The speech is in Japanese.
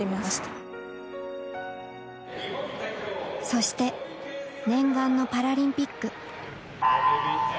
そして念願のパラリンピック